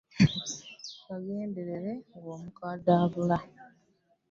Kagenderee nga omukadde awuula .